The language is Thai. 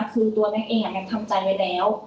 คือตัวแม็กเองแก๊กทำใจไว้แล้ว